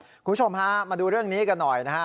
คุณผู้ชมฮะมาดูเรื่องนี้กันหน่อยนะฮะ